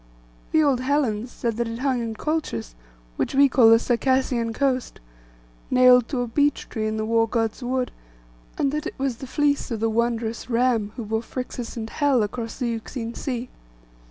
The old Hellens said that it hung in Colchis, which we call the Circassian coast, nailed to a beech tree in the war God's wood; and that it was the fleece of the wondrous ram who bore Phrixus and Helle across the Euxine sea.